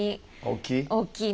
大きい？